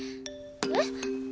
えっ？